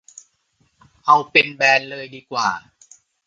เอาเป็นแบนเลยดีกว่า